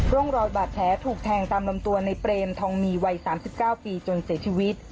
โรงรอยบาดแท้ถูกแทงตามลำตัวในเบรมทองมีวัยสามสิบเก้าปีจนเสียชีวิต